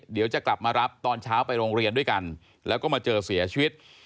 เดี๋ยวจะกลับมารับตอนเช้าไปโรงเรียนด้วยกันแล้วก็มาเจอเสียชีวิต